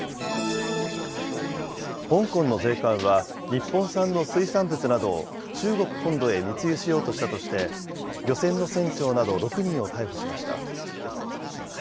香港の税関は、日本産の水産物などを中国本土へ密輸しようとしたとして、漁船の船長など６人を逮捕しました。